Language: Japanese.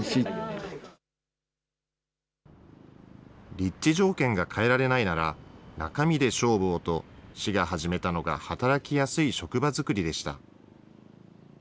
立地条件が変えられないなら、中身で勝負をと、市が始めたのが働きやすい職場作りでした。